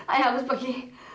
ay harus pergi